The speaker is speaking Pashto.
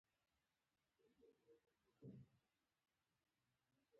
همدارنګه د هند د نيمې وچې هغه جمهوريت.